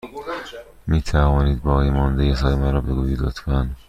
می توانید باقیمانده حساب من را بگویید، لطفا؟